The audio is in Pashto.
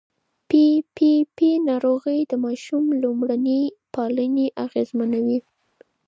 پي پي پي ناروغي د ماشوم لومړني پالنې اغېزمنوي.